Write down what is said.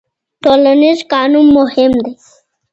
ټولنيز قانون مهم دی.